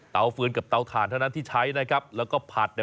ฟืนกับเตาถ่านเท่านั้นที่ใช้นะครับแล้วก็ผัดเนี่ย